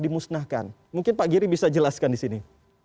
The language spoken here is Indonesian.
dimusnahkan mungkin pak giri bisa jelaskan di sini